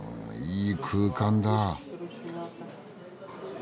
いい空間だ。